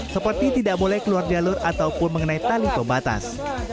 seperti tidak boleh keluar jalur ataupun mengenai tali pembatas